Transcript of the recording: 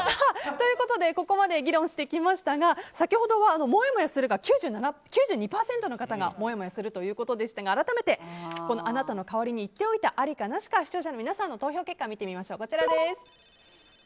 ここまで議論してきましたが先ほどは９２％の方がもやもやするということでしたが改めてあなたの代わりに言っておいたありかなしか視聴者の皆さんの投票結果を見てみましょう。